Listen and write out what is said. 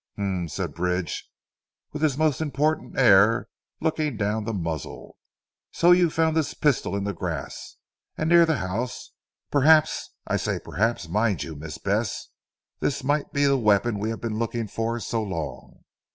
"H'm!" said Bridge with his most important air and looking down the muzzle, "so you found this pistol in the grass and near the house? Perhaps I say perhaps mind you Miss Bess this might be the weapon we have been looking for so long.